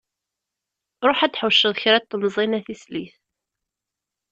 Ruḥ ad d-tḥuceḍ kra n temẓin a tislit.